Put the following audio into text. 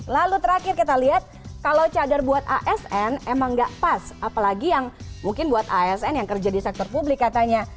lalu terakhir kita lihat kalau cadar buat asn emang nggak pas apalagi yang mungkin buat asn yang kerja di sektor publik katanya